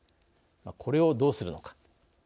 これをどうするのか。